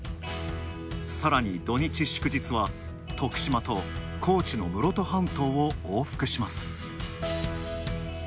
さらに土日、祝日は徳島と高知の室戸半島を往復します。